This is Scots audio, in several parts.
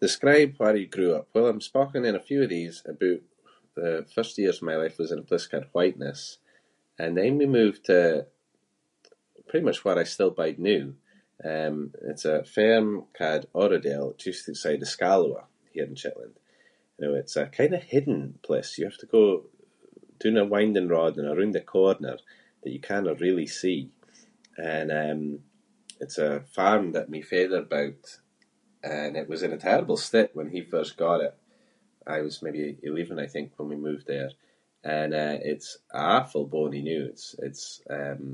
Describe where you grew up. Well, I’m spoken in a few of these aboot- the first years of my life was in a place called Whiteness and then we moved to pretty much where I still bide noo. Um, it’s a farm ca’ed Uradale just ootside of Scalloway here in Shetland. You know, it’s a kind of hidden place- you have to go doon a winding road and aroond the corner that you cannae really see and, um, it’s a farm that my father bought and it was in a terrible state when he first got it. I was maybe eleven, I think, when we moved there. And, eh, it’s awful bonnie noo. It’s- it’s, um,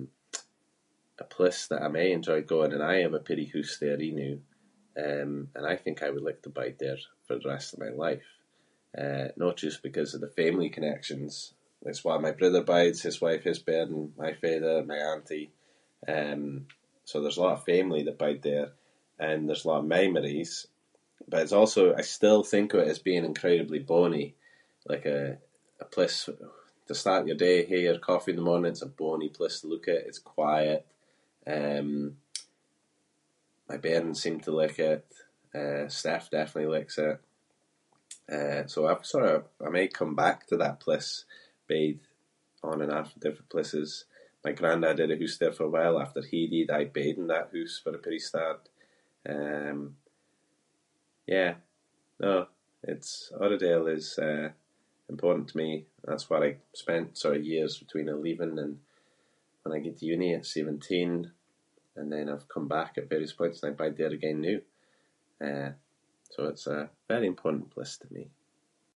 a place that I’m aie enjoy going to. And I have a peerie hoose there anoo, um, and I think I would like to bide there for the rest of my life. Eh, no just because of the family connections- that's where my brother bides, his wife, his bairn, my faither, my auntie, um, so there’s a lot of family that bide there and there’s a lot of memories, but it’s also- I still think if it as being incredibly bonnie- like a- a place for- to start your day, hae your coffee in the morning- it’s a bonnie place to look at. It’s quiet, um, my bairns seem to like it, eh, Steph definitely likes it. Eh, so I’ve sort of- I might come back to that place- bide on and off in different places. My grandad had a hoose there for a while. After he died, I bed in that hoose for a peerie start. Um, yeah, no, it’s- Uradale is, eh, important to me. That’s where I spent so many years atween eleven and when I gied to uni at seventeen and then I’ve come back at various points and I bide there again noo. Eh, so it’s a very important place to me.